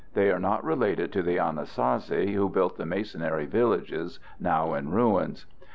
They are not related to the Anasazi who built the masonry villages now in ruins.